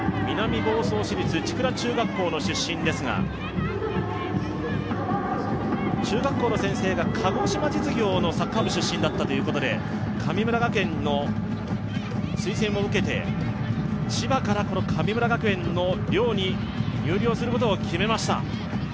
南房総市立千倉中学校の出身ですが、中学校の先生が鹿児島実業のサッカー部出身だったということで神村学園の推薦を受けて千葉から神村学園の寮に入寮することを決めました。